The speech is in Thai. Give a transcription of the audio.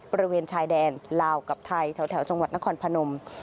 บริเวณชายแดนลาวกับไทยแถวจังหวัดนครพนม